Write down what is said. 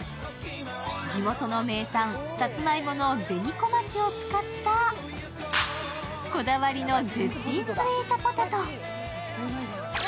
地元の名産、さつまいもの紅小町を使ったこだわりの絶品スイートポテト。